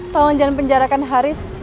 tolong jangan penjarakan haris